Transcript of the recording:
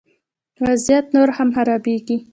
وضعیت نور هم خرابیږي